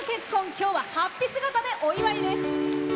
今日は、はっぴ姿でお祝いです。